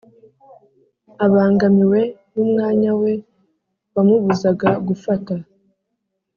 abangamiwe n'umwanya we wamubuzaga gufata